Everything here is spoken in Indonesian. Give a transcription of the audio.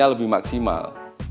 masih lebih maksimal